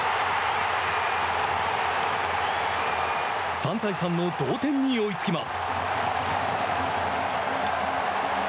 ３対３の同点に追いつきます。